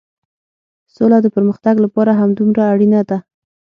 سوله د پرمختګ لپاره همدومره اړينه ده.